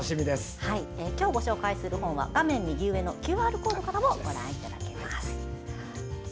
今日ご紹介する本は画面右上のＱＲコードからもご覧いただけます。